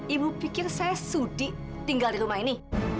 ibu pikir saya sudi tinggal di rumah ini